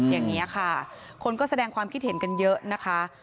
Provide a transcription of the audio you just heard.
อย่างนี้ค่ะคนก็แสดงความคิดเห็นกันเยอะนะคะ